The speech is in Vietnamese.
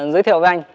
giới thiệu với anh